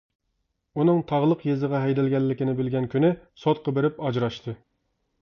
ئۇنىڭ تاغلىق يېزىغا ھەيدەلگەنلىكىنى بىلگەن كۈنى سوتقا بېرىپ ئاجراشتى.